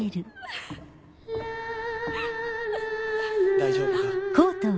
大丈夫か？